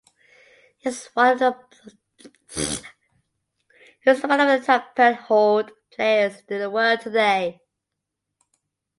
He is one of the top penhold players in the world today.